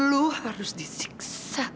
lu harus disiksa